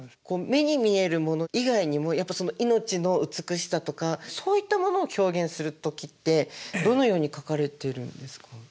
目に見えるもの以外にもやっぱその命の美しさとかそういったものを表現する時ってどのように描かれてるんですか？